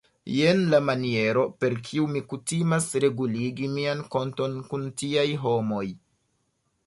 Jen la maniero, per kiu mi kutimas reguligi mian konton kun tiaj homoj!